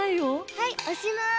はいおしまい。